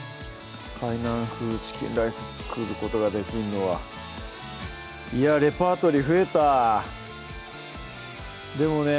「海南風チキンライス」作ることができるのはレパートリー増えたでもね